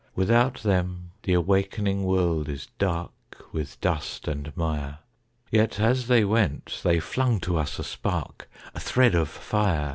Without them the awakening world is dark With dust and mire; Yet as they went they flung to us a spark, A thread of fire.